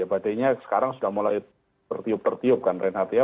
badainya sekarang sudah mulai tertiup tertiup kan reinhardt ya